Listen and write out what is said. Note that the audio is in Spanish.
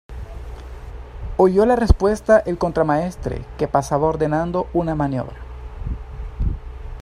oyó la respuesta el contramaestre, que pasaba ordenando una maniobra